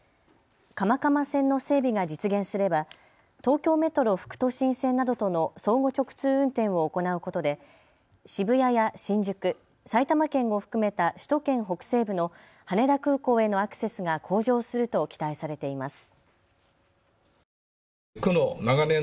蒲蒲線の整備が実現すれば東京メトロ副都心線などとの相互直通運転を行うことで渋谷や新宿、埼玉県を含めた首都圏北西部の羽田空港へのアクセスが向上すると期待されています。